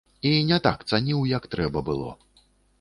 І не так цаніў, як трэба было.